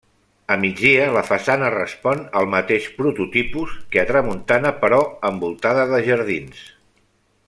A migdia la façana respon al mateix prototipus que a tramuntana però envoltada de jardins.